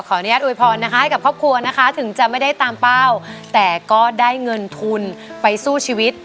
อนุญาตอวยพรนะคะให้กับครอบครัวนะคะถึงจะไม่ได้ตามเป้าแต่ก็ได้เงินทุนไปสู้ชีวิต